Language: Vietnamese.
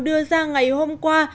đưa ra ngày hôm qua